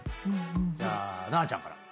じゃあなーちゃんから。